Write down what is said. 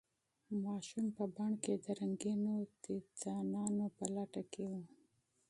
ماشوم په بڼ کې د رنګینو تیتانانو په لټه کې و.